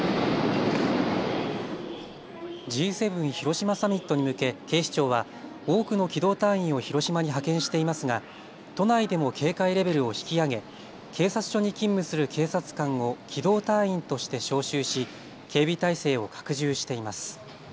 Ｇ７広島サミットに向け警視庁は多くの機動隊員を広島に派遣していますが都内でも警戒レベルを引き上げ警察署に勤務する警察官を機動隊員として招集し警備態勢を拡充しています。